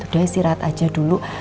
udah istirahat aja dulu